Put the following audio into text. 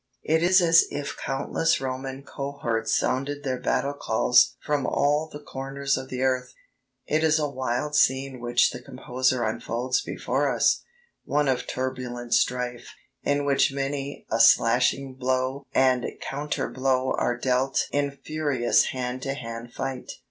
It is as if countless Roman cohorts sounded their battle calls from all the corners of the earth.... It is a wild scene which the composer unfolds before us one of turbulent strife, in which many a slashing blow and counter blow are dealt in furious hand to hand fight....